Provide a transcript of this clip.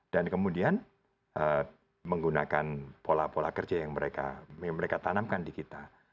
dan kemudian menggunakan pola pola kerja yang mereka tanamkan di kita